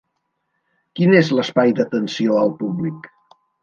Quin és l'espai d'atenció al públic?